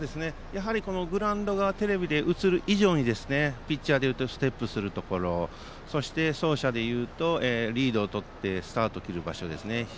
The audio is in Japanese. グラウンドがテレビで映る以上にピッチャーでいうとステップするところそして、走者でいうとリードをとってスタートを切る場所ですね。